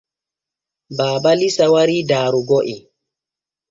Baaba Iisa warii daarugo en.